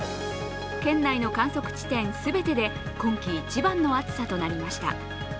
県内の観測地点全てで今季一番の暑さとなりました。